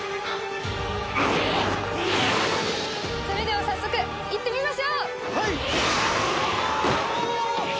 それでは早速行ってみましょう。